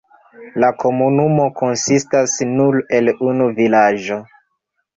La komunumo konsistas nur el unu vilaĝo.